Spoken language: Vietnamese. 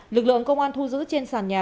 lực lượng công an thu giữ trên sàn nhà